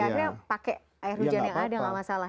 akhirnya pakai air hujan yang ada nggak masalah ya